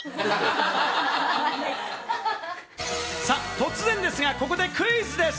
突然ですが、ここでクイズです。